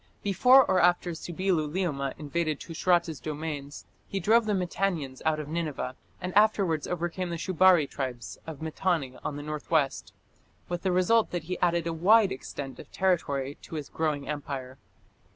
Before or after Subbi luliuma invaded Tushratta's domains, he drove the Mitannians out of Nineveh, and afterwards overcame the Shubari tribes of Mitanni on the north west, with the result that he added a wide extent of territory to his growing empire.